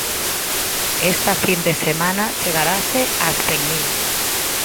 Esta fin de semana chegarase ás cen mil.